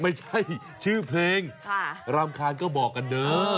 ไม่ใช่ชื่อเพลงรำคาญก็บอกกันเด้อ